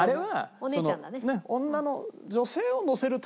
おねえちゃんだね。